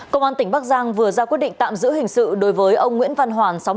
công an tỉnh bắc giang vừa ra quyết định tạm giữ hình sự đối với ông nguyễn văn hoàn